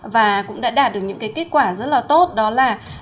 và cũng đã đạt được những cái kết quả rất là tốt đó là